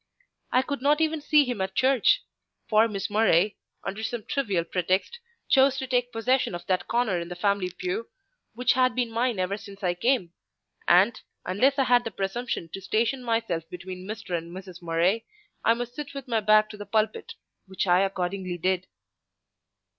I could not even see him at church: for Miss Murray, under some trivial pretext, chose to take possession of that corner in the family pew which had been mine ever since I came; and, unless I had the presumption to station myself between Mr. and Mrs. Murray, I must sit with my back to the pulpit, which I accordingly did.